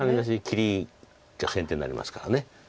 切りが先手になりますから。